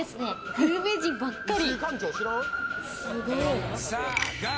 有名人ばっかり。